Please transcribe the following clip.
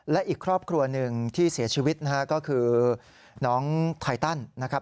และอีกครอบครัวหนึ่งที่เสียชีวิตนะฮะก็คือน้องไทตันนะครับ